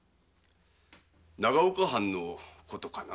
長岡藩のことかな？